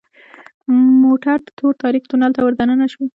موټر تور تاریک تونل ته وردننه شو .